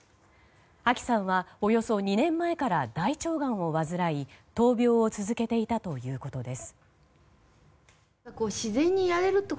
あきさんはおよそ２年前から大腸がんを患い闘病を続けていたということです。